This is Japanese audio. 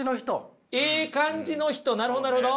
なるほどなるほど。